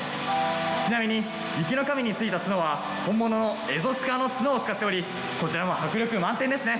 ちなみに雪の神についた角は本物のエゾシカの角を使っておりこちらも迫力満点ですね。